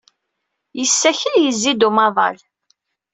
Yessakel, yezzi-d i umaḍal.